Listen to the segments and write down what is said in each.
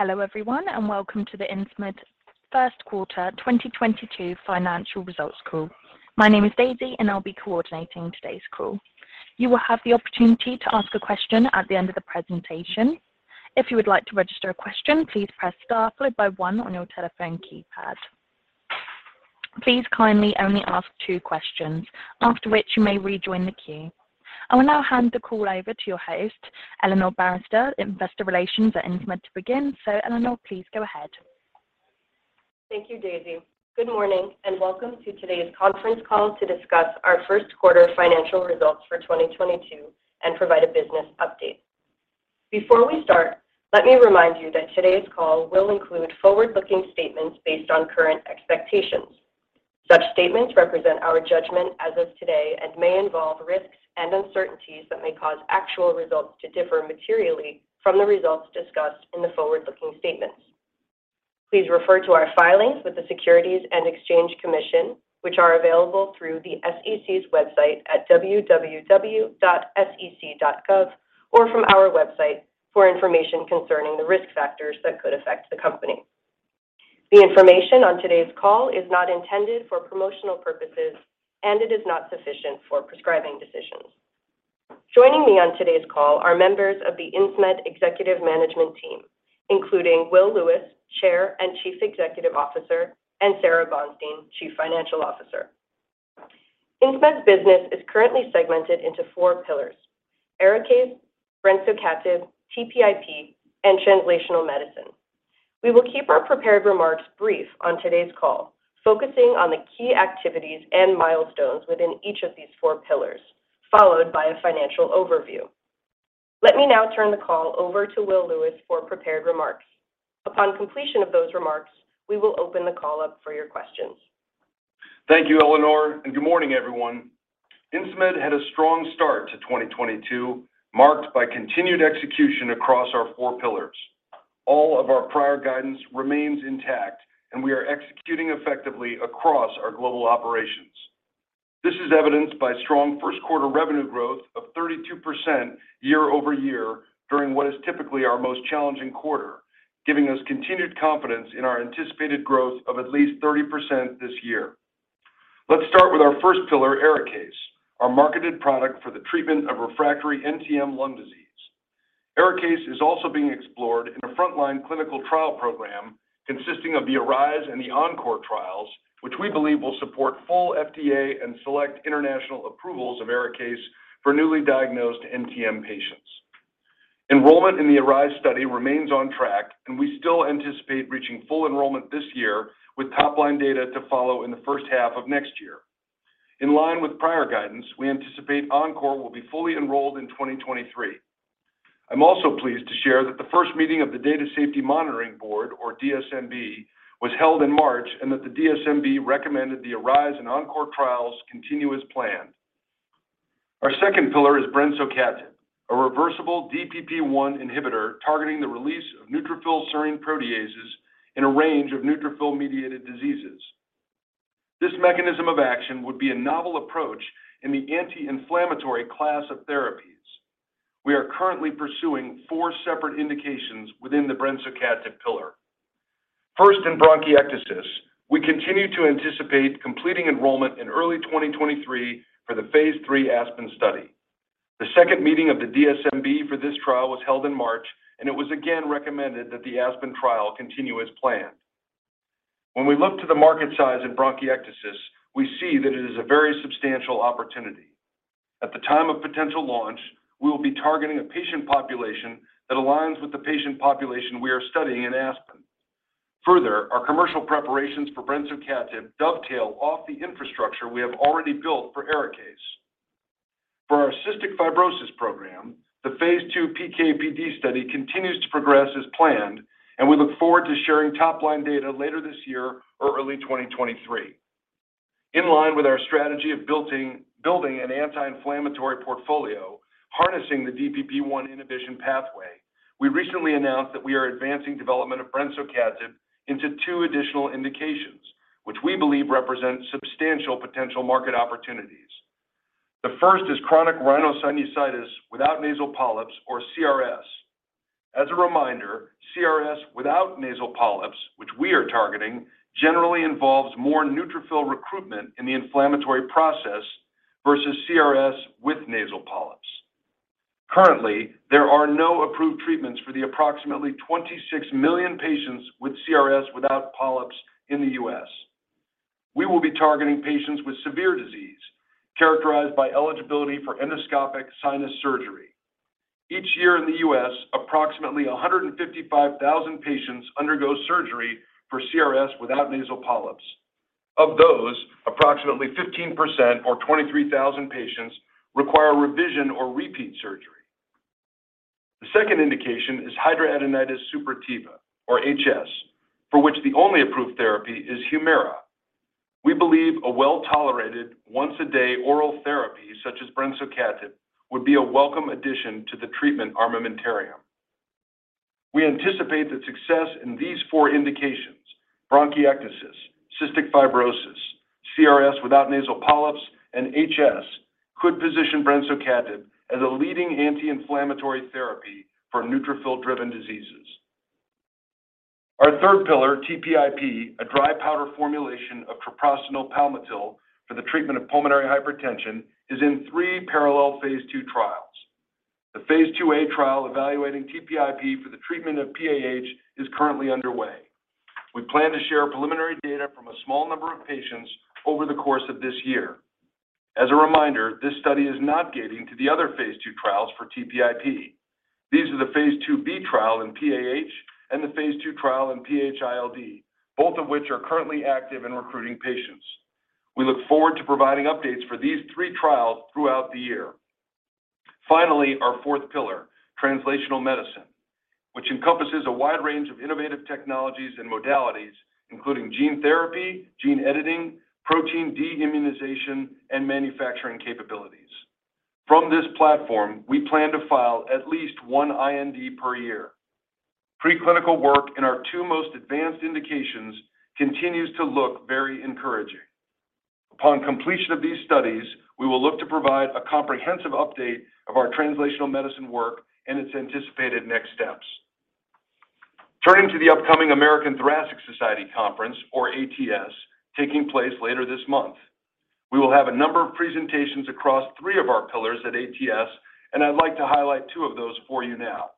Hello everyone, and welcome to the Insmed Q1 2022 financial results call. My name is Daisy and I'll be coordinating today's call. You will have the opportunity to ask a question at the end of the presentation. If you would like to register a question, please press Star followed by one on your telephone keypad. Please kindly only ask two questions after which you may rejoin the queue. I will now hand the call over to your host, Eleanor Bariss, Investor Relations at Insmed to begin. Eleanor, please go ahead. Thank you, Daisy. Good morning, and welcome to today's conference call to discuss our first quarter financial results for 2022 and provide a business update. Before we start, let me remind you that today's call will include forward-looking statements based on current expectations. Such statements represent our judgment as of today and may involve risks and uncertainties that may cause actual results to differ materially from the results discussed in the forward-looking statements. Please refer to our filings with the Securities and Exchange Commission, which are available through the SEC's website at www.sec.gov or from our website for information concerning the risk factors that could affect the company. The information on today's call is not intended for promotional purposes, and it is not sufficient for prescribing decisions. Joining me on today's call are members of the Insmed executive management team, including Will Lewis, Chair and Chief Executive Officer, and Sara Bonstein, Chief Financial Officer. Insmed's business is currently segmented into four pillars: ARIKAYCE, brensocatib, TPIP, and Translational Medicine. We will keep our prepared remarks brief on today's call, focusing on the key activities and milestones within each of these four pillars, followed by a financial overview. Let me now turn the call over to Will Lewis for prepared remarks. Upon completion of those remarks, we will open the call up for your questions. Thank you, Eleanor, and good morning, everyone. Insmed had a strong start to 2022, marked by continued execution across our four pillars. All of our prior guidance remains intact and we are executing effectively across our global operations. This is evidenced by strong Q1 revenue growth of 32% year-over-year during what is typically our most challenging quarter, giving us continued confidence in our anticipated growth of at least 30% this year. Let's start with our first pillar, ARIKAYCE, our marketed product for the treatment of refractory NTM lung disease. ARIKAYCE is also being explored in a frontline clinical trial program consisting of the ARISE and the ENCORE trials, which we believe will support full FDA and select international approvals of ARIKAYCE for newly diagnosed NTM patients. Enrollment in the ARISE study remains on track, and we still anticipate reaching full enrollment this year with top-line data to follow in the first half of next year. In line with prior guidance, we anticipate ENCORE will be fully enrolled in 2023. I'm also pleased to share that the first meeting of the Data Safety Monitoring Board or DSMB was held in March and that the DSMB recommended the ARISE and ENCORE trials continue as planned. Our second pillar is brensocatib, a reversible DPP-1 inhibitor targeting the release of neutrophil serine proteases in a range of neutrophil-mediated diseases. This mechanism of action would be a novel approach in the anti-inflammatory class of therapies. We are currently pursuing four separate indications within the brensocatib pillar. First, in bronchiectasis, we continue to anticipate completing enrollment in early 2023 for the phase 3 ASPEN study. The second meeting of the DSMB for this trial was held in March, and it was again recommended that the ASPEN trial continue as planned. When we look to the market size in bronchiectasis, we see that it is a very substantial opportunity. At the time of potential launch, we will be targeting a patient population that aligns with the patient population we are studying in ASPEN. ,Further, our commercial preparations for brensocatib dovetail off the infrastructure we have already built for ARIKAYCE. For our cystic fibrosis program, the phase 2 PK/PD study continues to progress as planned, and we look forward to sharing top-line data later this year or early 2023. In line with our strategy of building an anti-inflammatory portfolio harnessing the DPP-1 inhibition pathway, we recently announced that we are advancing development of brensocatib into two additional indications, which we believe represent substantial potential market opportunities. The first is chronic rhinosinusitis without nasal polyps or CRS. As a reminder, CRS without nasal polyps, which we are targeting, generally involves more neutrophil recruitment in the inflammatory process versus CRS with nasal polyps. Currently, there are no approved treatments for the approximately 26 million patients with CRS without polyps in the U.S. We will be targeting patients with severe disease characterized by eligibility for endoscopic sinus surgery. Each year in the U.S., approximately 155,000 patients undergo surgery for CRS without nasal polyps. Of those, approximately 15% or 23,000 patients require revision or repeat surgery. The second indication is hidradenitis suppurativa or HS, for which the only approved therapy is Humira. We believe a well-tolerated once-a-day oral therapy such as brensocatib would be a welcome addition to the treatment armamentarium. We anticipate that success in these four indications, bronchiectasis, cystic fibrosis, CRS without nasal polyps and HS could position brensocatib as a leading anti-inflammatory therapy for neutrophil-driven diseases. Our third pillar, TPIP, a dry powder formulation of treprostinil palmitil for the treatment of pulmonary hypertension, is in three parallel phase 2 trials. The phase 2 A trial evaluating TPIP for the treatment of PAH is currently underway. We plan to share preliminary data from a small number of patients over the course of this year. As a reminder, this study is not gating to the other phase 2 trials for TPIP. These are the phase 2b trial in PAH and the phase 2 trial in PH-ILD, both of which are currently active in recruiting patients. We look forward to providing updates for these three trials throughout the year. Our fourth pillar, Translational Medicine, encompasses a wide range of innovative technologies and modalities, including gene therapy, gene editing, protein de-immunization, and manufacturing capabilities. From this platform, we plan to file at least one IND per year. Preclinical work in our two most advanced indications continues to look very encouraging. Upon completion of these studies, we will look to provide a comprehensive update of our Translational Medicine work and its anticipated next steps. Turning to the upcoming American Thoracic Society Conference, or ATS, taking place later this month. We will have a number of presentations across three of our pillars at ATS, and I'd like to highlight two of those for you now.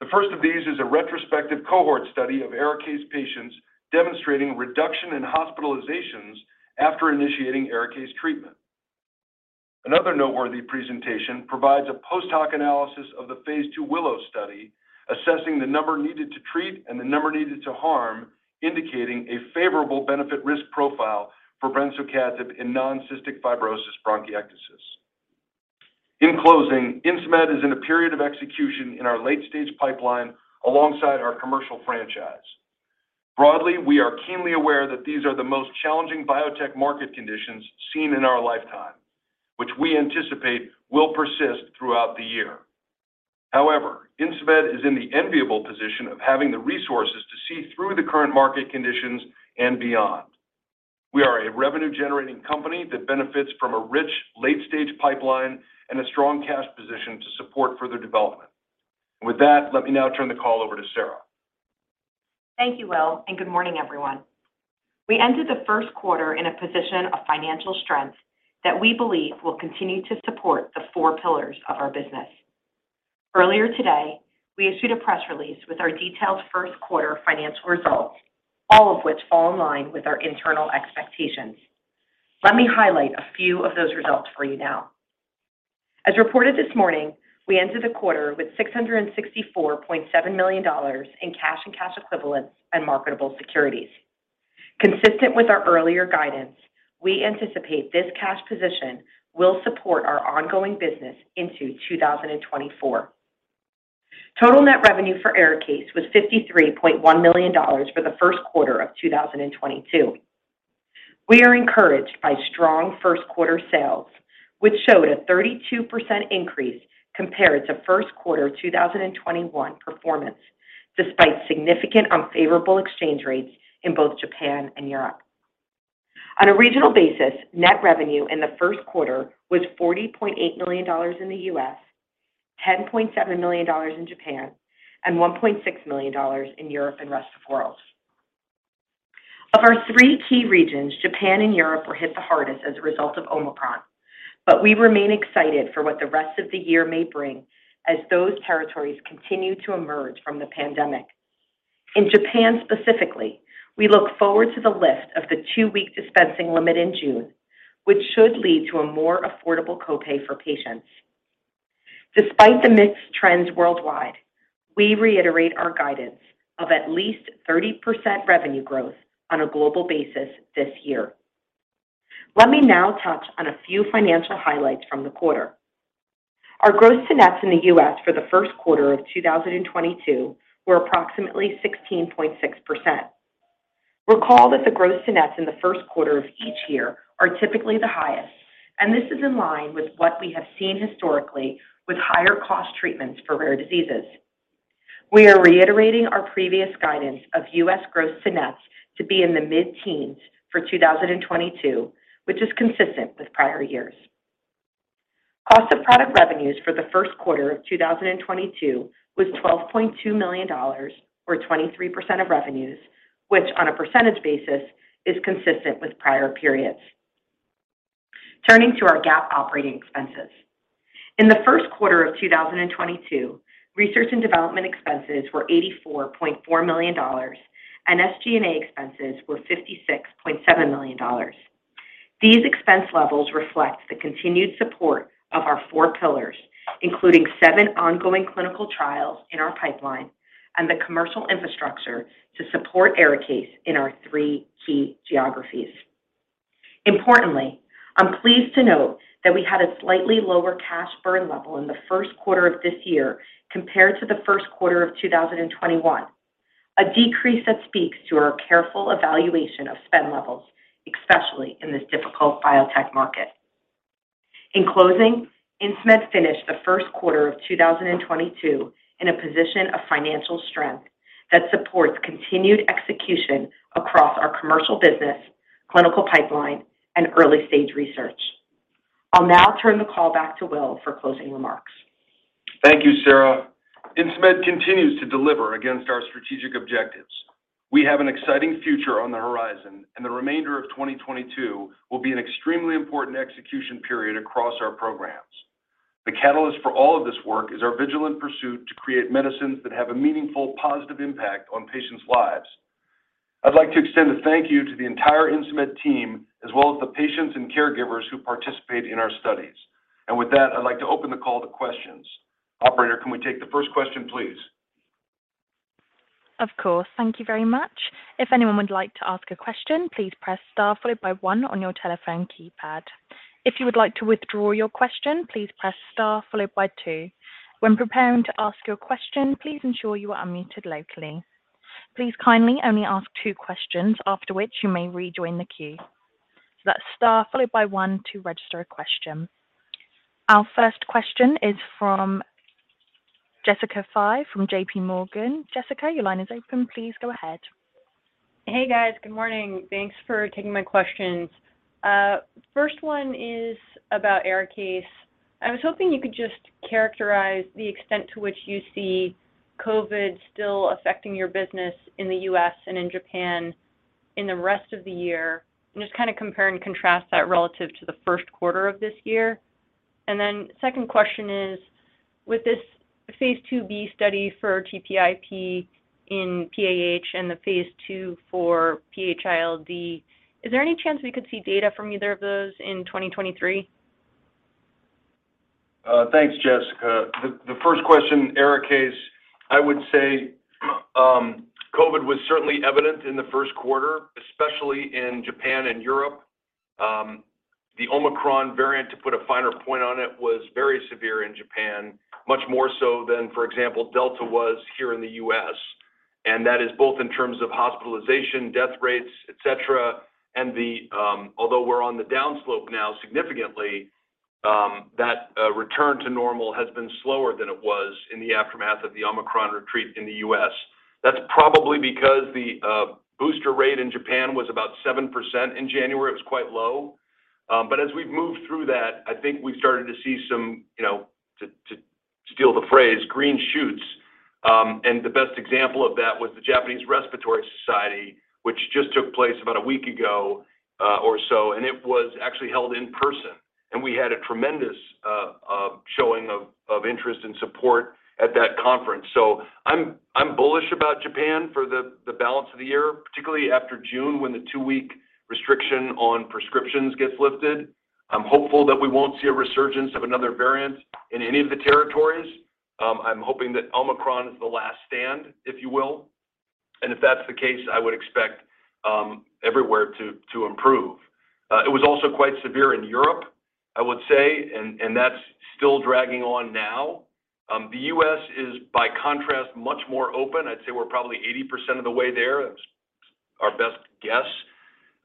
The first of these is a retrospective cohort study of ARIKAYCE patients demonstrating reduction in hospitalizations after initiating ARIKAYCE treatment. Another noteworthy presentation provides a post-hoc analysis of the phase 2 WILLOW study assessing the number needed to treat and the number needed to harm, indicating a favorable benefit risk profile for brensocatib in non-cystic fibrosis bronchiectasis. In closing, Insmed is in a period of execution in our late-stage pipeline alongside our commercial franchise. Broadly, we are keenly aware that these are the most challenging biotech market conditions seen in our lifetime, which we anticipate will persist throughout the year. However, Insmed is in the enviable position of having the resources to see through the current market conditions and beyond. We are a revenue-generating company that benefits from a rich late-stage pipeline and a strong cash position to support further development. With that, let me now turn the call over to Sarah. Thank you, Will, and good morning, everyone. We ended the first quarter in a position of financial strength that we believe will continue to support the four pillars of our business. Earlier today, we issued a press release with our detailed first quarter financial results, all of which fall in line with our internal expectations. Let me highlight a few of those results for you now. As reported this morning, we ended the quarter with $664.7 million in cash and cash equivalents and marketable securities. Consistent with our earlier guidance, we anticipate this cash position will support our ongoing business into 2024. Total net revenue for ARIKAYCE was $53.1 million for the first quarter of 2022. We are encouraged by strong first quarter sales, which showed a 32% increase compared to first quarter 2021 performance, despite significant unfavorable exchange rates in both Japan and Europe. On a regional basis, net revenue in the first quarter was $40.8 million in the US, $10.7 million in Japan, and $1.6 million in Europe and rest of world. Of our three key regions, Japan and Europe were hit the hardest as a result of Omicron, but we remain excited for what the rest of the year may bring as those territories continue to emerge from the pandemic. In Japan specifically, we look forward to the lift of the two-week dispensing limit in June, which should lead to a more affordable copay for patients. Despite the mixed trends worldwide, we reiterate our guidance of at least 30% revenue growth on a global basis this year. Let me now touch on a few financial highlights from the quarter. Our gross-to-net in the U.S. for the first quarter of 2022 were approximately 16.6%. Recall that the gross-to-net in the Q1 of each year are typically the highest, and this is in line with what we have seen historically with higher-cost treatments for rare diseases. We are reiterating our previous guidance of U.S. gross-to-net to be in the mid-teens for 2022, which is consistent with prior years. Cost of product revenues for the first quarter of 2022 was $12.2 million, or 23% of revenues, which on a percentage basis is consistent with prior periods. Turning to our GAAP operating expenses. In the first quarter of 2022, research and development expenses were $84.4 million and SG&A expenses were $56.7 million. These expense levels reflect the continued support of our four pillars, including seven ongoing clinical trials in our pipeline and the commercial infrastructure to support ARIKAYCE in our three key geographies. Importantly, I'm pleased to note that we had a slightly lower cash burn level in the first quarter of this year compared to the first quarter of 2021, a decrease that speaks to our careful evaluation of spend levels, especially in this difficult biotech market. In closing, Insmed finished the first quarter of 2022 in a position of financial strength that supports continued execution across our commercial business, clinical pipeline, and early-stage research. I'll now turn the call back to Will for closing remarks. Thank you, Sarah. Insmed continues to deliver against our strategic objectives. We have an exciting future on the horizon, and the remainder of 2022 will be an extremely important execution period across our programs. The catalyst for all of this work is our vigilant pursuit to create medicines that have a meaningful positive impact on patients' lives. I'd like to extend a thank you to the entire Insmed team, as well as the patients and caregivers who participate in our studies. With that, I'd like to open the call to questions. Operator, can we take the first question, please? Of course. Thank you very much. If anyone would like to ask a question, please press star followed by one on your telephone keypad. If you would like to withdraw your question, please press star followed by two. When preparing to ask your question, please ensure you are unmuted locally. Please kindly only ask two questions, after which you may rejoin the queue. That's star followed by one to register a question. Our first question is from Jessica Fye from J.P. Morgan. Jessica, your line is open. Please go ahead. Hey, guys. Good morning. Thanks for taking my questions. First one is about ARIKAYCE. I was hoping you could just characterize the extent to which you see COVID still affecting your business in the U.S. and in Japan in the rest of the year, and just kind of compare and contrast that relative to the first quarter of this year. Second question is, with this phase 2b study for TPIP in PAH and the phase 2 for PH-ILD, is there any chance we could see data from either of those in 2023? Thanks, Jessica. The first question, ARIKAYCE, I would say, COVID was certainly evident in the Q1, especially in Japan and Europe. The Omicron variant, to put a finer point on it, was very severe in Japan, much more so than, for example, Delta was here in the U.S. That is both in terms of hospitalization, death rates, et cetera. Although we're on the downslope now significantly, that return to normal has been slower than it was in the aftermath of the Omicron retreat in the U.S. That's probably because the booster rate in Japan was about 7% in January. It was quite low. But as we've moved through that, I think we've started to see some, you know, to steal the phrase, green shoots. The best example of that was the Japanese Respiratory Society, which just took place about a week ago, or so, and it was actually held in person. We had a tremendous showing of interest and support at that conference. I'm bullish about Japan for the balance of the year, particularly after June when the two-week restriction on prescriptions gets lifted. I'm hopeful that we won't see a resurgence of another variant in any of the territories. I'm hoping that Omicron is the last stand, if you will. If that's the case, I would expect everywhere to improve. It was also quite severe in Europe, I would say, and that's still dragging on now. The U.S. is, by contrast, much more open. I'd say we're probably 80% of the way there. That's our best guess.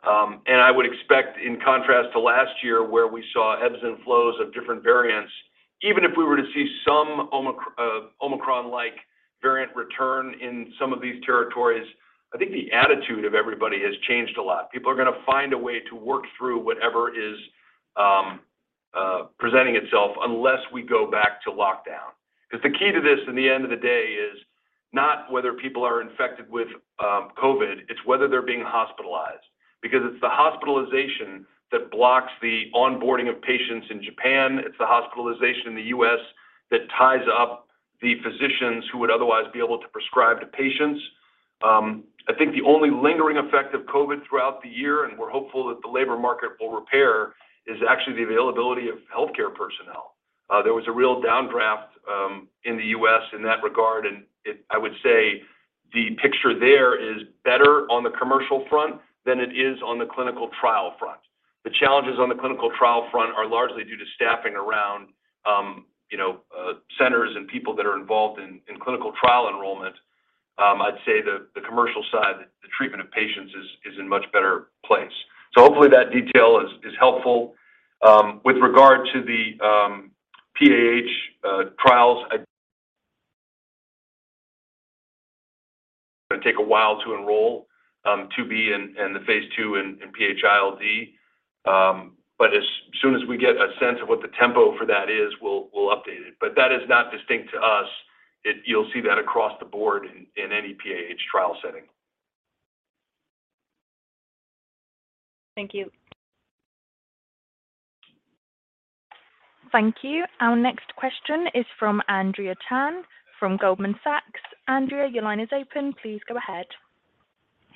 I would expect in contrast to last year where we saw ebbs and flows of different variants, even if we were to see some Omicron-like variant return in some of these territories, I think the attitude of everybody has changed a lot. People are gonna find a way to work through whatever is presenting itself unless we go back to lockdown. Because the key to this in the end of the day is not whether people are infected with COVID, it's whether they're being hospitalized. Because it's the hospitalization that blocks the onboarding of patients in Japan. It's the hospitalization in the U.S. that ties up the physicians who would otherwise be able to prescribe to patients. I think the only lingering effect of COVID throughout the year, and we're hopeful that the labor market will repair, is actually the availability of healthcare personnel. There was a real downdraft in the U.S. in that regard, and I would say the picture there is better on the commercial front than it is on the clinical trial front. The challenges on the clinical trial front are largely due to staffing around centers and people that are involved in clinical trial enrollment. I'd say the commercial side, the treatment of patients is in much better place. Hopefully that detail is helpful. With regard to the PAH trials, gonna take a while to enroll 2B and the phase two in PH-ILD. As soon as we get a sense of what the tempo for that is, we'll update it. That is not distinct to us. It. You'll see that across the board in any PAH trial setting. Thank you. Thank you. Our next question is from Andrea Tan from Goldman Sachs. Andrea, your line is open. Please go ahead.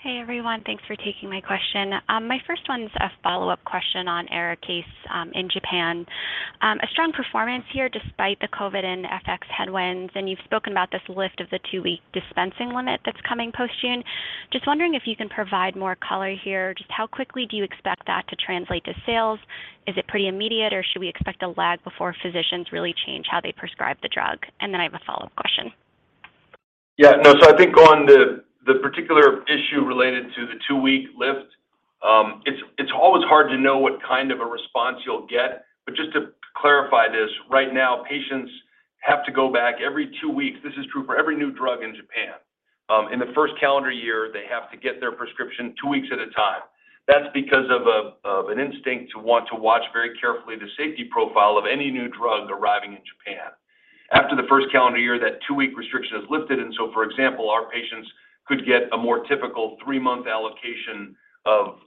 Hey, everyone. Thanks for taking my question. My first one's a follow-up question on ARIKAYCE, in Japan. A strong performance here despite the COVID and FX headwinds, and you've spoken about this lift of the two-week dispensing limit that's coming post-June. Just wondering if you can provide more color here. Just how quickly do you expect that to translate to sales? Is it pretty immediate, or should we expect a lag before physicians really change how they prescribe the drug? Then I have a follow-up question. Yeah, no. I think on the particular issue related to the two-week lift, it's always hard to know what kind of a response you'll get. Just to clarify this, right now, patients have to go back every two weeks. This is true for every new drug in Japan. In the first calendar year, they have to get their prescription two weeks at a time. That's because of an instinct to want to watch very carefully the safety profile of any new drug arriving in Japan. After the first calendar year, that two-week restriction is lifted, and for example, our patients could get a more typical three-month allocation of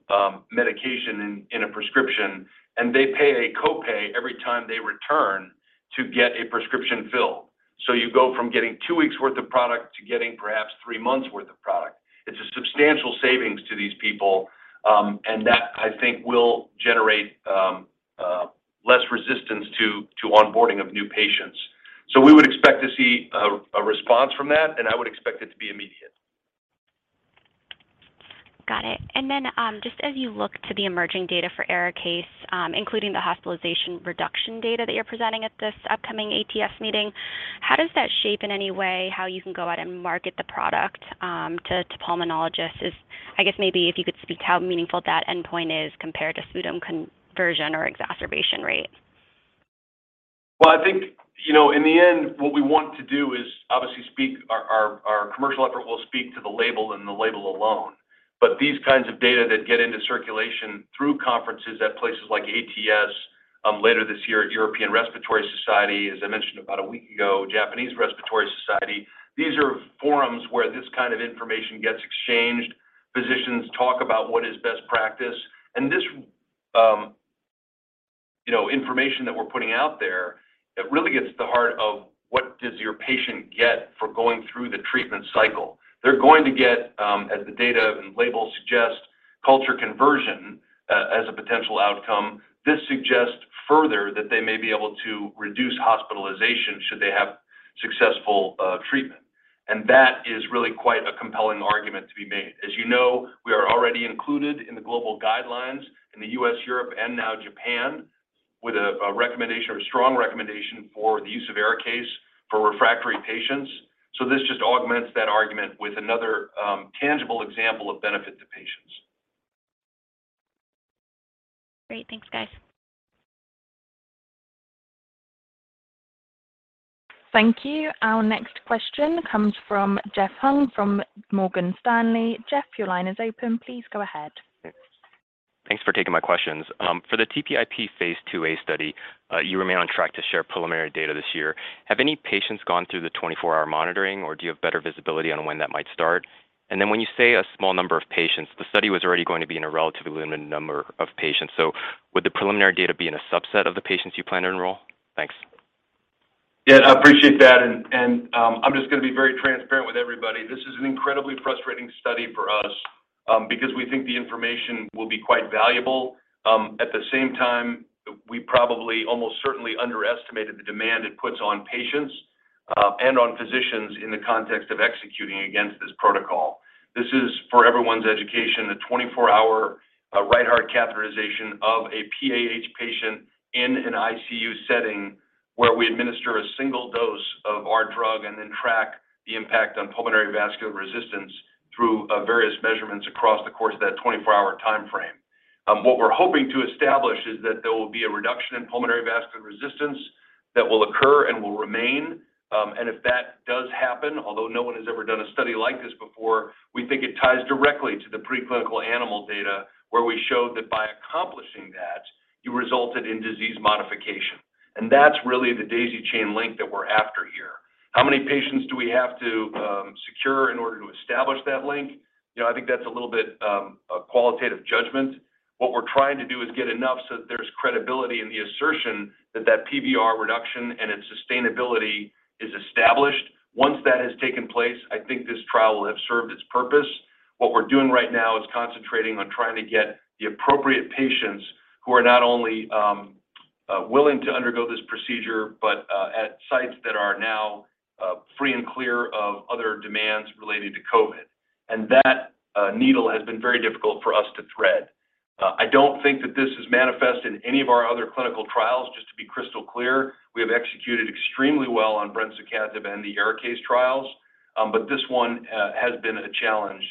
medication in a prescription, and they pay a copay every time they return to get a prescription filled. You go from getting two weeks worth of product to getting perhaps three months worth of product. It's a substantial savings to these people, and that I think will generate less resistance to onboarding of new patients. We would expect to see a response from that, and I would expect it to be immediate. Got it. Just as you look to the emerging data for ARIKAYCE, including the hospitalization reduction data that you're presenting at this upcoming ATS meeting, how does that shape in any way how you can go out and market the product to pulmonologists? I guess maybe if you could speak to how meaningful that endpoint is compared to sputum conversion or exacerbation rate. Well, I think, you know, in the end, what we want to do is obviously speak our commercial effort will speak to the label and the label alone. These kinds of data that get into circulation through conferences at places like ATS, later this year at European Respiratory Society, as I mentioned about a week ago, Japanese Respiratory Society, these are forums where this kind of information gets exchanged. Physicians talk about what is best practice. This, you know, information that we're putting out there that really gets to the heart of what does your patient get for going through the treatment cycle. They're going to get, as the data and label suggest, culture conversion, as a potential outcome. This suggests further that they may be able to reduce hospitalization should they have successful treatment. That is really quite a compelling argument to be made. As you know, we are already included in the global guidelines in the US, Europe, and now Japan with a recommendation or a strong recommendation for the use of ARIKAYCE for refractory patients. This just augments that argument with another, tangible example of benefit to patients. Great. Thanks, guys. Thank you. Our next question comes from Jeff Hung from Morgan Stanley. Jeff, your line is open. Please go ahead. Thanks for taking my questions. For the TPIP Phase IIa study, you remain on track to share preliminary data this year. Have any patients gone through the 24-hour monitoring, or do you have better visibility on when that might start? When you say a small number of patients, the study was already going to be in a relatively limited number of patients. Would the preliminary data be in a subset of the patients you plan to enroll? Thanks. Yeah. I appreciate that. I'm just gonna be very transparent with everybody. This is an incredibly frustrating study for us, because we think the information will be quite valuable. At the same time, we probably almost certainly underestimated the demand it puts on patients, and on physicians in the context of executing against this protocol. This is for everyone's education, a 24-hour right heart catheterization of a PAH patient in an ICU setting where we administer a single dose of our drug and then track the impact on pulmonary vascular resistance through various measurements across the course of that 24-hour time frame. What we're hoping to establish is that there will be a reduction in pulmonary vascular resistance that will occur and will remain. If that does happen, although no one has ever done a study like this before, we think it ties directly to the preclinical animal data where we showed that by accomplishing that, you resulted in disease modification. That's really the daisy chain link that we're after here. How many patients do we have to secure in order to establish that link? I think that's a little bit a qualitative judgment. What we're trying to do is get enough so that there's credibility in the assertion that that PVR reduction and its sustainability is established. Once that has taken place, I think this trial will have served its purpose. What we're doing right now is concentrating on trying to get the appropriate patients who are not only willing to undergo this procedure, but at sites that are now free and clear of other demands related to COVID. That needle has been very difficult for us to thread. I don't think that this is manifest in any of our other clinical trials, just to be crystal clear. We have executed extremely well on brensocatib and the ARIKAYCE trials. This one has been a challenge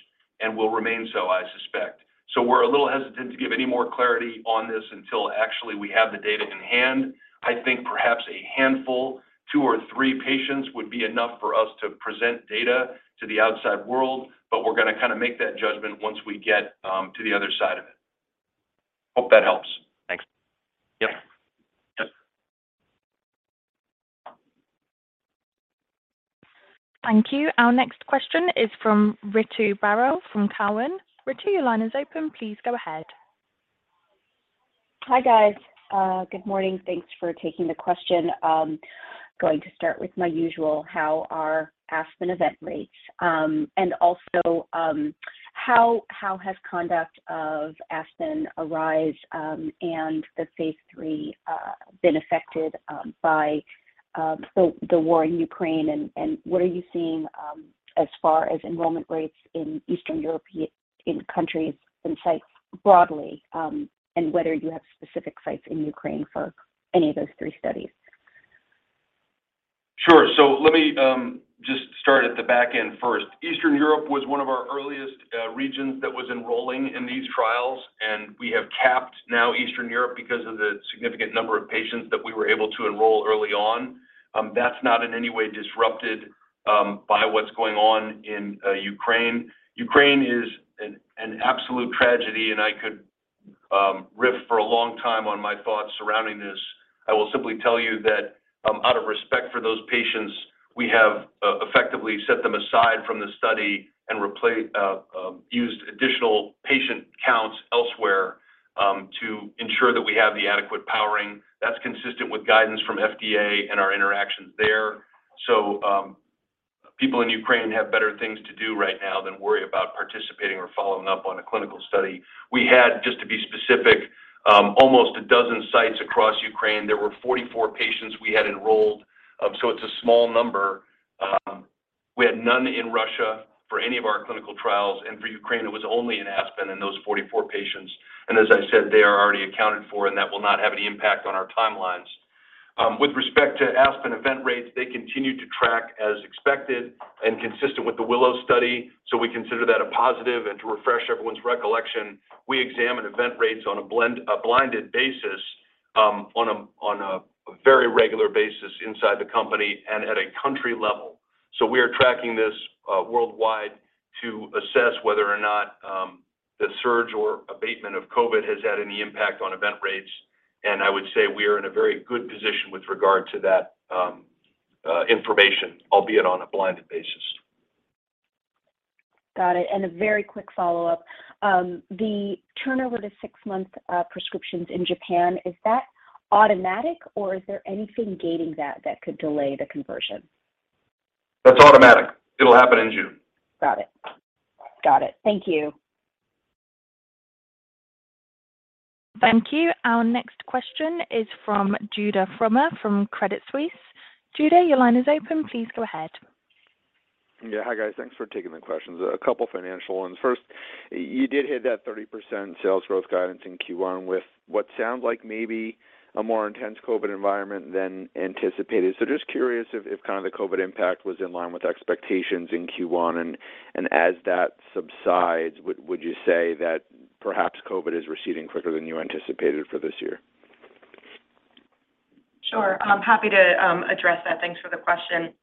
and will remain so, I suspect. We're a little hesitant to give any more clarity on this until actually we have the data in hand. I think perhaps a handful, two or three patients would be enough for us to present data to the outside world, but we're gonna kinda make that judgment once we get to the other side of it. Hope that helps. Thanks. Yep. Yep. Thank you. Our next question is from Ritu Baral from Cowen. Ritu, your line is open. Please go ahead. Hi, guys. Good morning. Thanks for taking the question. Going to start with my usual, how are ASPEN event rates? And also, how has conduct of ASPEN, ARISE, and the phase III been affected by the war in Ukraine and what are you seeing as far as enrollment rates in Eastern European countries and sites broadly, and whether you have specific sites in Ukraine for any of those three studies? Let me just start at the back end first. Eastern Europe was one of our earliest regions that was enrolling in these trials, and we have capped now Eastern Europe because of the significant number of patients that we were able to enroll early on. That's not in any way disrupted by what's going on in Ukraine. Ukraine is an absolute tragedy and I could riff for a long time on my thoughts surrounding this. I will simply tell you that out of respect for those patients, we have effectively set them aside from the study and used additional patient counts elsewhere to ensure that we have the adequate powering. That's consistent with guidance from FDA and our interactions there. People in Ukraine have better things to do right now than worry about participating or following up on a clinical study. We had, just to be specific, almost a dozen sites across Ukraine. There were 44 patients we had enrolled, so it's a small number. We had none in Russia for any of our clinical trials, and for Ukraine it was only in ASPEN and those 44 patients. As I said, they are already accounted for, and that will not have any impact on our timelines. With respect to ASPEN event rates, they continue to track as expected and consistent with the WILLOW study. We consider that a positive. To refresh everyone's recollection, we examine event rates on a blinded basis, on a very regular basis inside the company and at a country level. We are tracking this worldwide to assess whether or not the surge or abatement of COVID has had any impact on event rates. I would say we are in a very good position with regard to that information, albeit on a blinded basis. Got it. A very quick follow-up. The turnover to six-month prescriptions in Japan, is that automatic, or is there anything gating that could delay the conversion? That's automatic. It'll happen in June. Got it. Thank you. Thank you. Our next question is from Judah Frommer from Credit Suisse. Judah, your line is open. Please go ahead. Yeah. Hi, guys. Thanks for taking the questions. A couple financial ones. First, you did hit that 30% sales growth guidance in Q1 with what sounds like maybe a more intense COVID environment than anticipated. So just curious if kind of the COVID impact was in line with expectations in Q1. As that subsides, would you say that perhaps COVID is receding quicker than you anticipated for this year? Sure. I'm happy to address that. Thanks for the question.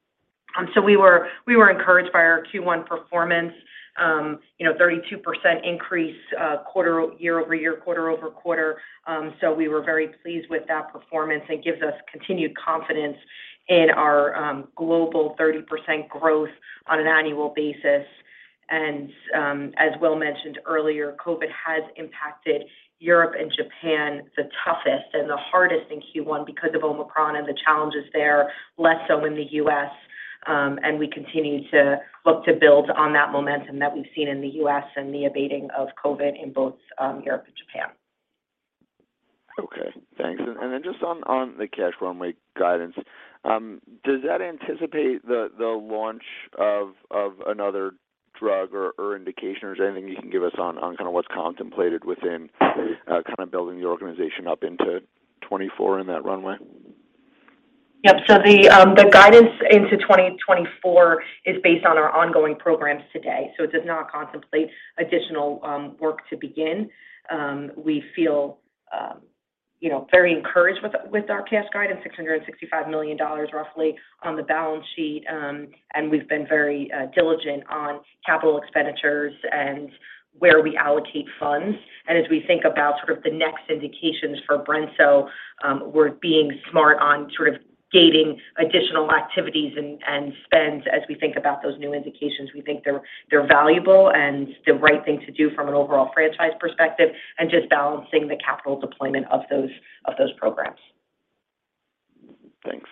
So we were encouraged by our Q1 performance. You know, 32% increase, year-over-year, quarter-over-quarter. So we were very pleased with that performance. It gives us continued confidence in our global 30% growth on an annual basis. As Will mentioned earlier, COVID has impacted Europe and Japan the toughest and the hardest in Q1 because of Omicron and the challenges there, less so in the U.S. We continue to look to build on that momentum that we've seen in the U.S. and the abating of COVID in both Europe and Japan. Okay. Thanks. Just on the cash runway guidance, does that anticipate the launch of another drug or indication? Or is there anything you can give us on kind of what's contemplated within kind of building the organization up into 2024 in that runway? Yep. The guidance into 2024 is based on our ongoing programs today. It does not contemplate additional work to begin. We feel you know very encouraged with our cash guidance, $665 million roughly on the balance sheet. We've been very diligent on capital expenditures and where we allocate funds. As we think about sort of the next indications for brensocatib, we're being smart on sort of gating additional activities and spends as we think about those new indications. We think they're valuable and the right thing to do from an overall franchise perspective and just balancing the capital deployment of those programs. Thanks.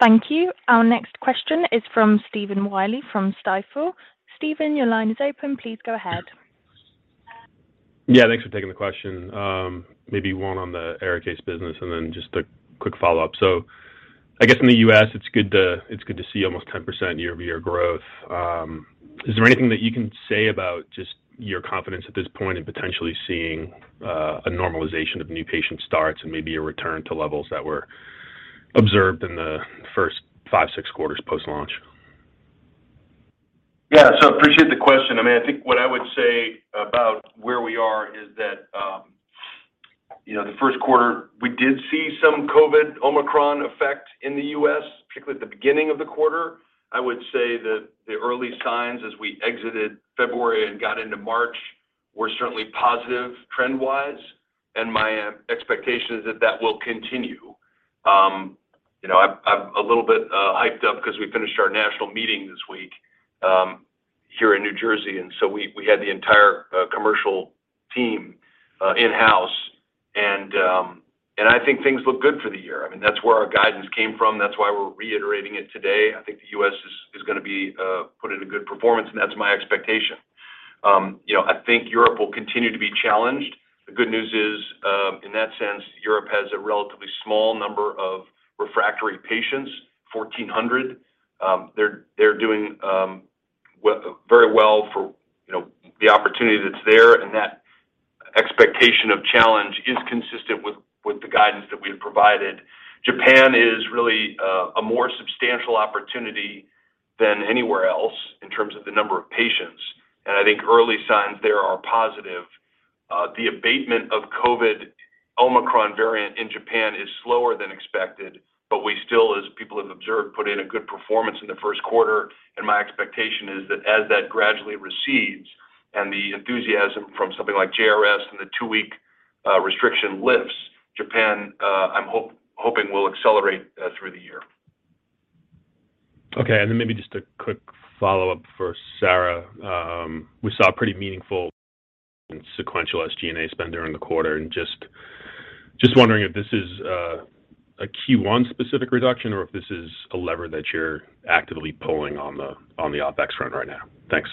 Thank you. Our next question is from Stephen Willey from Stifel. Stephen, your line is open. Please go ahead. Yeah. Thanks for taking the question. Maybe one on the ARIKAYCE business and then just a quick follow-up. I guess in the U.S. it's good to see almost 10% year-over-year growth. Is there anything that you can say about just your confidence at this point in potentially seeing a normalization of new patient starts and maybe a return to levels that were observed in the first five, six quarters post-launch? Yeah. Appreciate the question. I mean, I think what I would say about where we are is that, you know, the first quarter we did see some COVID Omicron effect in the U.S., particularly at the beginning of the quarter. I would say that the early signs as we exited February and got into March were certainly positive trend-wise, and my expectation is that that will continue. You know, I'm a little bit hyped up because we finished our national meeting this week here in New Jersey, and we had the entire commercial team in-house, and I think things look good for the year. I mean, that's where our guidance came from. That's why we're reiterating it today. I think the U.S. is gonna be put in a good performance, and that's my expectation. You know, I think Europe will continue to be challenged. The good news is, in that sense, Europe has a relatively small number of refractory patients, 1,400. They're doing very well for the opportunity that's there and that expectation of challenge is consistent with the guidance that we've provided. Japan is really a more substantial opportunity than anywhere else in terms of the number of patients, and I think early signs there are positive. The abatement of COVID Omicron variant in Japan is slower than expected, but we still, as people have observed, put in a good performance in the first quarter. My expectation is that as that gradually recedes and the enthusiasm from something like JRS and the two-week restriction lifts, Japan, I'm hoping will accelerate through the year. Okay. Maybe just a quick follow-up for Sara. We saw pretty meaningful and sequential SG&A spend during the quarter, and just wondering if this is a Q1 specific reduction or if this is a lever that you're actively pulling on the OpEx front right now. Thanks.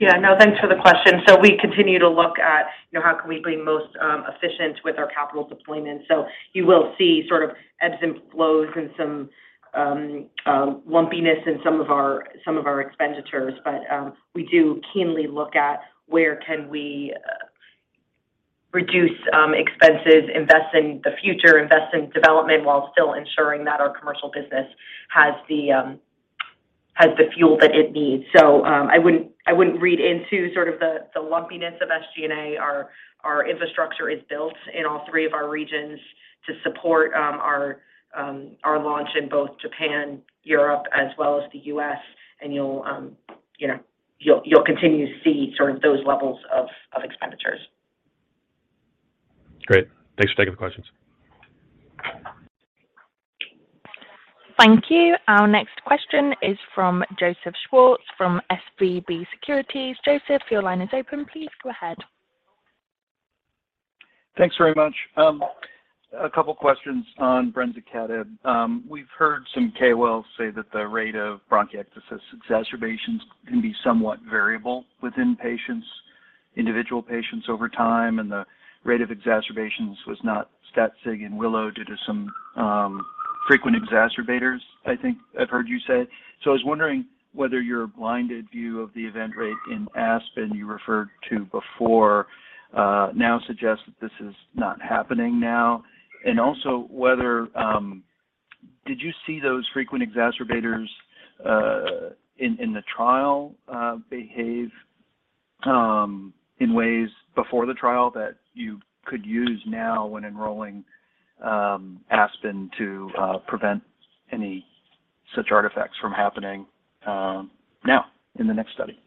Yeah, no, thanks for the question. We continue to look at, you know, how can we be most efficient with our capital deployment. You will see sort of ebbs and flows and some lumpiness in some of our expenditures. We do keenly look at where can we reduce expenses, invest in the future, invest in development while still ensuring that our commercial business has the fuel that it needs. I wouldn't read into sort of the lumpiness of SG&A. Our infrastructure is built in all three of our regions to support our launch in both Japan, Europe, as well as the U.S., and you'll, you know, you'll continue to see sort of those levels of expenditures. Great. Thanks for taking the questions. Thank you. Our next question is from Joseph Schwartz from SVB Securities. Joseph, your line is open. Please go ahead. Thanks very much. A couple questions on brensocatib. We've heard some KOLs say that the rate of bronchiectasis exacerbations can be somewhat variable within patients, individual patients over time, and the rate of exacerbations was not stat sig in WILLOW due to some frequent exacerbators, I think I've heard you say. I was wondering whether your blinded view of the event rate in ASPEN you referred to before now suggests that this is not happening now. Also whether did you see those frequent exacerbators in the trial behave in ways before the trial that you could use now when enrolling ASPEN to prevent any such artifacts from happening now in the next study?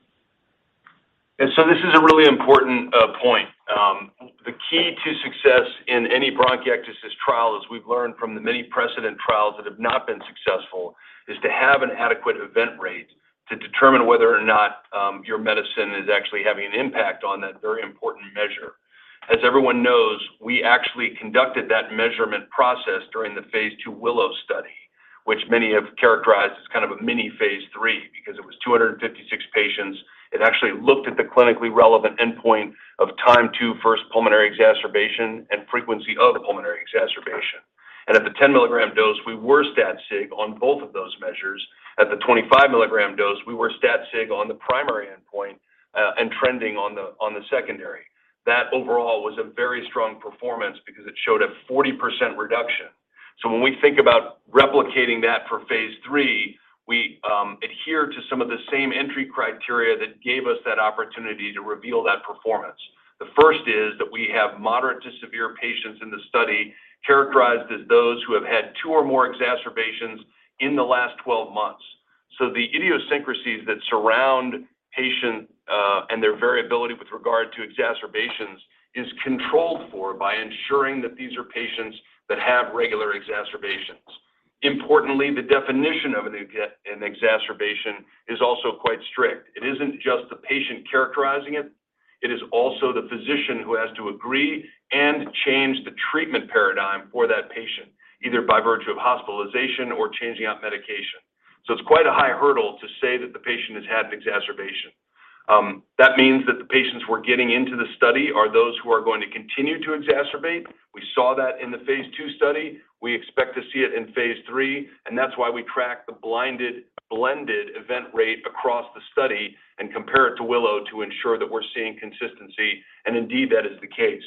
This is a really important point. The key to success in any bronchiectasis trial, as we've learned from the many precedent trials that have not been successful, is to have an adequate event rate to determine whether or not your medicine is actually having an impact on that very important measure. As everyone knows, we actually conducted that measurement process during the phase 2 WILLOW study, which many have characterized as kind of a mini phase 3 because it was 256 patients. It actually looked at the clinically relevant endpoint of time to first pulmonary exacerbation and frequency of pulmonary exacerbation. At the 10-milligram dose, we were stat sig on both of those measures. At the 25-milligram dose, we were stat sig on the primary endpoint and trending on the secondary. That overall was a very strong performance because it showed a 40% reduction. When we think about replicating that for phase 3, we adhere to some of the same entry criteria that gave us that opportunity to reveal that performance. The first is that we have moderate to severe patients in the study characterized as those who have had 2 or more exacerbations in the last 12 months. The idiosyncrasies that surround patient and their variability with regard to exacerbations is controlled for by ensuring that these are patients that have regular exacerbations. Importantly, the definition of an exacerbation is also quite strict. It isn't just the patient characterizing it. It is also the physician who has to agree and change the treatment paradigm for that patient, either by virtue of hospitalization or changing out medication. It's quite a high hurdle to say that the patient has had an exacerbation. That means that the patients we're getting into the study are those who are going to continue to exacerbate. We saw that in the phase 2 study. We expect to see it in phase 3, and that's why we track the blinded blended event rate across the study and compare it to WILLOW to ensure that we're seeing consistency. Indeed, that is the case.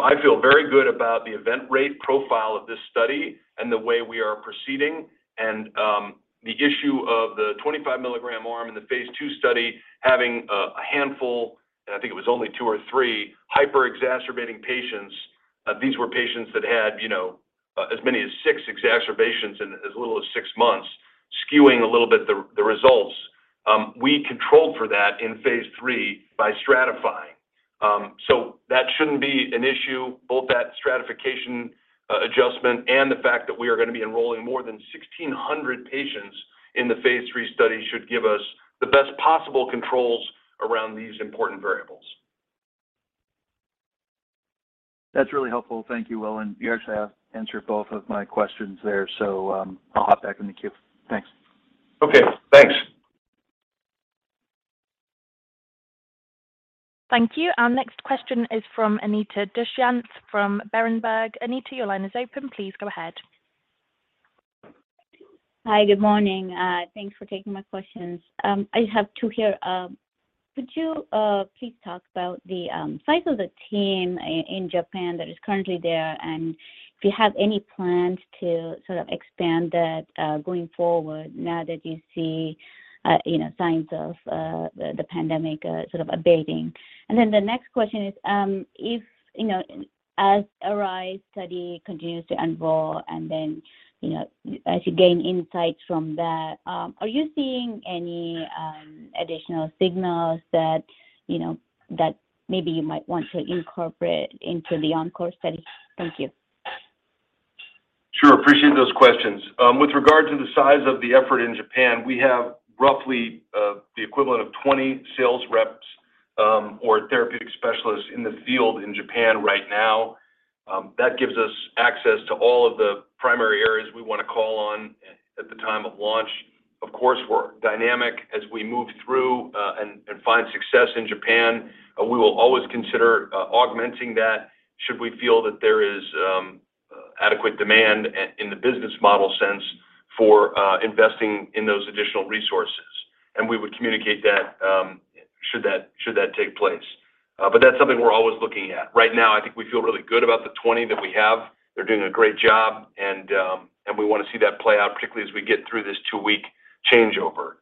I feel very good about the event rate profile of this study and the way we are proceeding. The issue of the 25 milligram arm in the phase 2 study having a handful, and I think it was only two or three, hyper-exacerbating patients. These were patients that had, you know, as many as 6 exacerbations in as little as 6 months, skewing a little bit the results. We controlled for that in phase 3 by stratifying. That shouldn't be an issue, both that stratification adjustment and the fact that we are gonna be enrolling more than 1,600 patients in the phase 3 study should give us the best possible controls around these important variables. That's really helpful. Thank you, Will. You actually have answered both of my questions there. I'll hop back in the queue. Thanks. Okay, thanks. Thank you. Our next question is from Anita Dasu from Berenberg. Anita, your line is open. Please go ahead. Hi, good morning. Thanks for taking my questions. I have two here. Could you please talk about the size of the team in Japan that is currently there, and if you have any plans to sort of expand that going forward now that you see you know signs of the pandemic sort of abating? Then the next question is, if you know as ARISE study continues to enroll and then you know as you gain insights from that, are you seeing any additional signals that you know that maybe you might want to incorporate into the ENCORE study? Thank you. Sure. Appreciate those questions. With regard to the size of the effort in Japan, we have roughly the equivalent of 20 sales reps or therapeutic specialists in the field in Japan right now. That gives us access to all of the primary areas we wanna call on at the time of launch. Of course, we're dynamic. As we move through and find success in Japan, we will always consider augmenting that should we feel that there is adequate demand in the business model sense for investing in those additional resources, and we would communicate that should that take place. But that's something we're always looking at. Right now, I think we feel really good about the 20 that we have. They're doing a great job and we wanna see that play out, particularly as we get through this two-week changeover.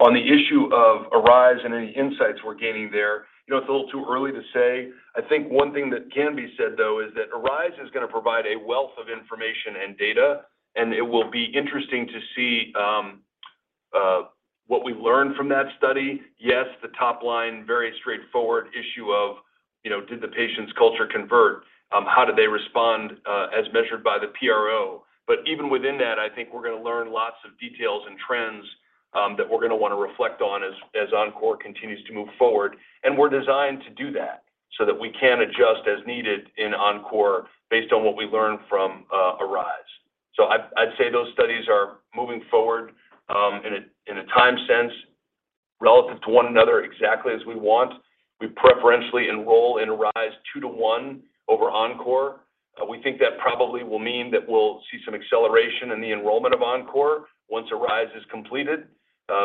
On the issue of ARISE and any insights we're gaining there, you know, it's a little too early to say. I think one thing that can be said, though, is that ARISE is gonna provide a wealth of information and data, and it will be interesting to see what we learn from that study. Yes, the top line, very straightforward issue of, you know, did the patient's culture convert? How did they respond, as measured by the PRO? Even within that, I think we're gonna learn lots of details and trends that we're gonna wanna reflect on as ENCORE continues to move forward, and we're designed to do that, so that we can adjust as needed in ENCORE based on what we learn from ARISE. I'd say those studies are moving forward in a time sense relative to one another exactly as we want. We preferentially enroll in ARISE two-to-one over ENCORE. We think that probably will mean that we'll see some acceleration in the enrollment of ENCORE once ARISE is completed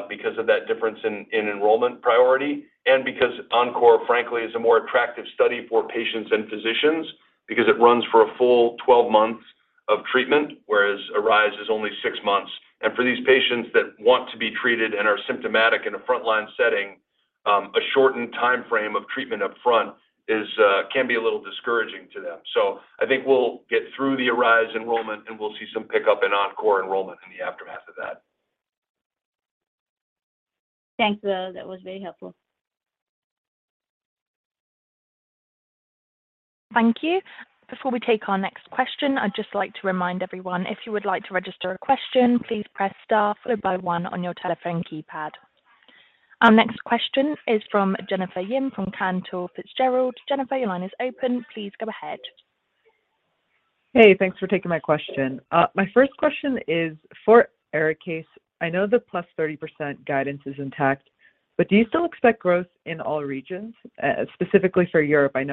because of that difference in enrollment priority and because ENCORE, frankly, is a more attractive study for patients and physicians because it runs for a full 12 months of treatment, whereas ARISE is only 6 months. For these patients that want to be treated and are symptomatic in a frontline setting, a shortened timeframe of treatment up front can be a little discouraging to them. I think we'll get through the ARISE enrollment, and we'll see some pickup in ENCORE enrollment in the aftermath of that. Thanks. That was very helpful. Thank you. Before we take our next question, I'd just like to remind everyone, if you would like to register a question, please press star followed by one on your telephone keypad. Our next question is from Jennifer Yim from Cantor Fitzgerald. Jennifer, your line is open. Please go ahead. Hey, thanks for taking my question. My first question is for Eric Case. I know the +30% guidance is intact, but do you still expect growth in all regions? Specifically for Europe. I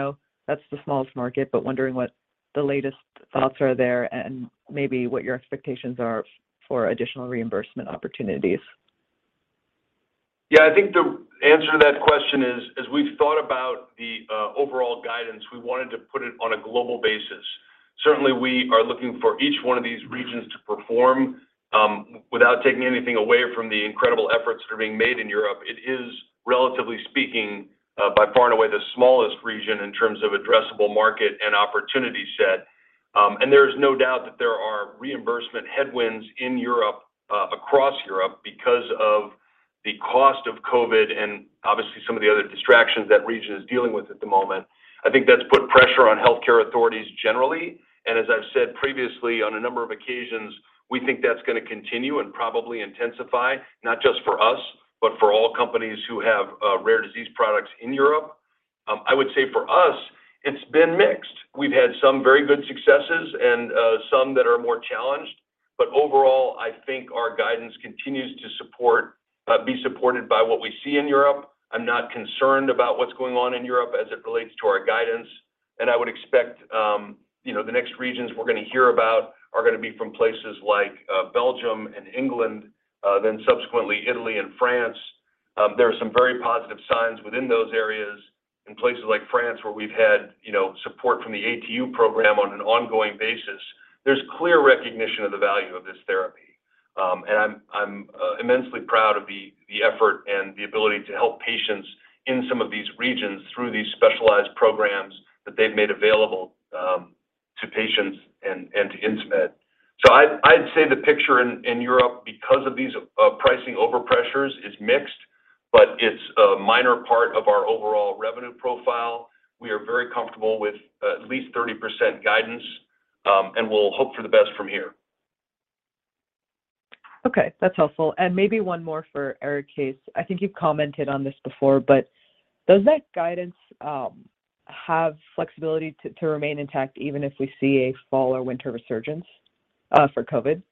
know that's the smallest market, but wondering what the latest thoughts are there and maybe what your expectations are for additional reimbursement opportunities. Yeah. I think the answer to that question is, as we've thought about the overall guidance, we wanted to put it on a global basis. Certainly, we are looking for each one of these regions to perform. Without taking anything away from the incredible efforts that are being made in Europe, it is, relatively speaking, by far and away the smallest region in terms of addressable market and opportunity set. And there is no doubt that there are reimbursement headwinds in Europe, across Europe because of the cost of COVID and obviously some of the other distractions that region is dealing with at the moment. I think that's put pressure on healthcare authorities generally, and as I've said previously on a number of occasions, we think that's gonna continue and probably intensify, not just for us, but for all companies who have rare disease products in Europe. I would say for us it's been mixed. We've had some very good successes and some that are more challenged, but overall, I think our guidance continues to be supported by what we see in Europe. I'm not concerned about what's going on in Europe as it relates to our guidance. I would expect you know, the next regions we're gonna hear about are gonna be from places like Belgium and England, then subsequently Italy and France. There are some very positive signs within those areas. In places like France, where we've had, you know, support from the ATU program on an ongoing basis, there's clear recognition of the value of this therapy. I'm immensely proud of the effort and the ability to help patients in some of these regions through these specialized programs that they've made available to patients and to Insmed. I'd say the picture in Europe because of these pricing overpressures is mixed, but it's a minor part of our overall revenue profile. We are very comfortable with at least 30% guidance, and we'll hope for the best from here. Okay, that's helpful. Maybe one more for Eric Case. I think you've commented on this before, but does that guidance have flexibility to remain intact even if we see a fall or winter resurgence for COVID?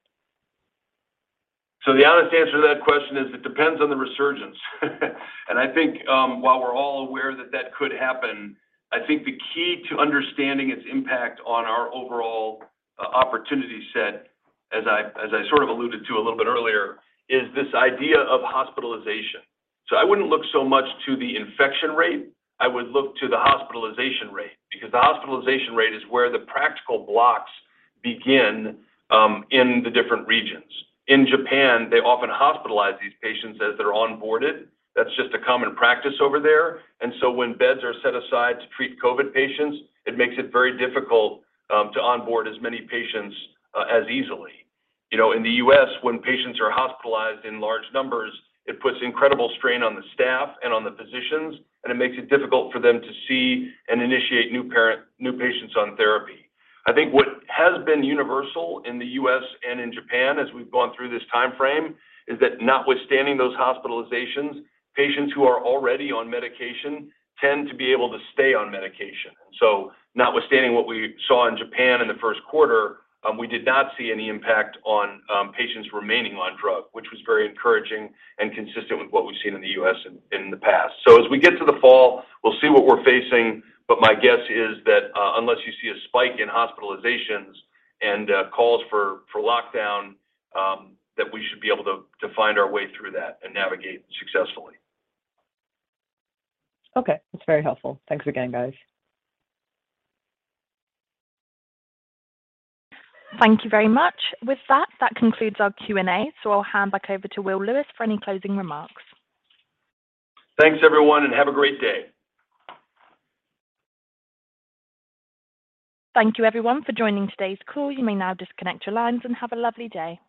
The honest answer to that question is it depends on the resurgence. I think, while we're all aware that that could happen, I think the key to understanding its impact on our overall, opportunity set, as I sort of alluded to a little bit earlier, is this idea of hospitalization. I wouldn't look so much to the infection rate, I would look to the hospitalization rate, because the hospitalization rate is where the practical blocks begin, in the different regions. In Japan, they often hospitalize these patients as they're onboarded. That's just a common practice over there. When beds are set aside to treat COVID patients, it makes it very difficult, to onboard as many patients, as easily. You know, in the US, when patients are hospitalized in large numbers, it puts incredible strain on the staff and on the physicians, and it makes it difficult for them to see and initiate new patients on therapy. I think what has been universal in the US and in Japan as we've gone through this timeframe is that notwithstanding those hospitalizations, patients who are already on medication tend to be able to stay on medication. Notwithstanding what we saw in Japan in the first quarter, we did not see any impact on patients remaining on drug, which was very encouraging and consistent with what we've seen in the US in the past. As we get to the fall, we'll see what we're facing, but my guess is that unless you see a spike in hospitalizations and calls for lockdown, that we should be able to find our way through that and navigate successfully. Okay. That's very helpful. Thanks again, guys. Thank you very much. With that concludes our Q&A, so I'll hand back over to William H. Lewis for any closing remarks. Thanks, everyone, and have a great day. Thank you everyone for joining today's call. You may now disconnect your lines and have a lovely day.